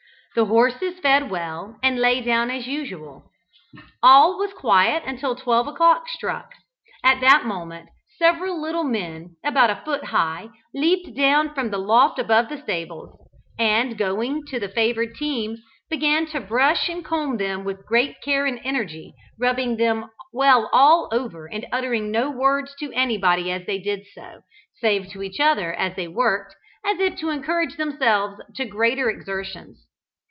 The horses fed well, and lay down as usual. All was quiet until twelve o'clock struck. At that moment several little men, about a foot high, leaped down from the loft above the stables, and going to the favoured team, began to brush and comb them with great care and energy, rubbing them well all over and uttering no words to anybody as they did so, save to each other as they worked, as if to encourage themselves to greater exertions.